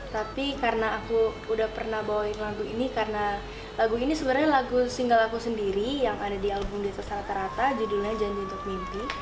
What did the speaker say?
tapi karena aku udah pernah bawain lagu ini karena lagu ini sebenarnya lagu single aku sendiri yang ada di album desa rata rata judulnya janji untuk mimpi